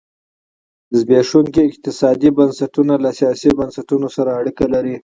زبېښونکي اقتصادي بنسټونه له سیاسي بنسټونه سره اړیکه لري.